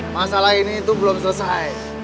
masalah ini itu belum selesai